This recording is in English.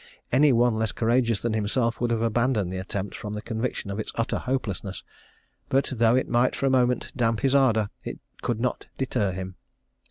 Any one less courageous than himself would have abandoned the attempt from the conviction of its utter hopelessness; but though it might for a moment damp his ardour, it could not deter him.